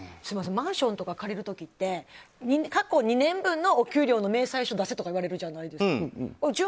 マンションとか借りる時って過去２年分のお給料の明細書を出せとかいわれるじゃないですか。